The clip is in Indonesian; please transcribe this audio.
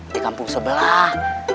di kampung sebelah